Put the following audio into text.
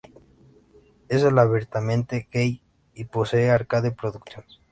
Él es abiertamente gay y posee Arcade Productions.